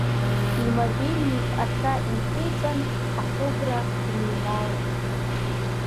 Имобильник аҭра инҭеиҵан, ахыбра дныҩналеит.